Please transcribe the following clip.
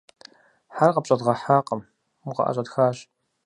- Хьэр къыпщӏэдгъэхьакъым, укъыӏэщӏэтхащ.